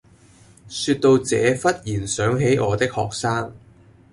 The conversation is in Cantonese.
說到這忽然想起我的學生